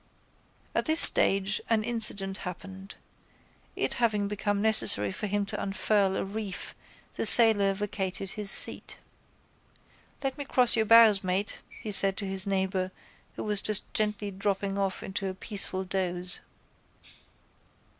At this stage an incident happened. It having become necessary for him to unfurl a reef the sailor vacated his seat. —Let me cross your bows mate, he said to his neighbour who was just gently dropping off into a peaceful doze.